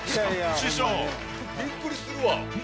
師匠、びっくりするわ。